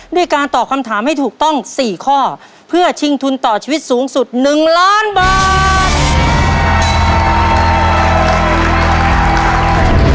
ด้วยการตอบคำถามให้ถูกต้อง๔ข้อเพื่อชิงทุนต่อชีวิตสูงสุด๑ล้านบาท